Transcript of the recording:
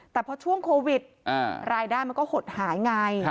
แต่พอช่วงโควิดรายได้มันก็หดหายไง